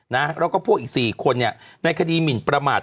แล้วก็พวกอีก๔คนเนี่ยในคดีหมินประมาท